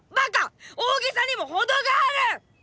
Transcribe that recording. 大げさにもほどがある！